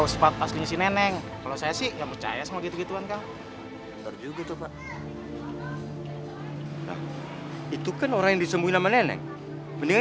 sampai jumpa di video selanjutnya